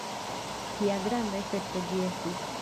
Kia granda efekto ĝi estus!